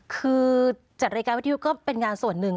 คือจัดรายการวิทยุก็เป็นงานส่วนหนึ่ง